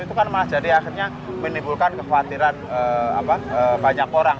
itu kan malah jadi akhirnya menimbulkan kekhawatiran banyak orang